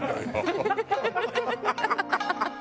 ハハハハ！